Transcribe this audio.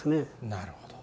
なるほど。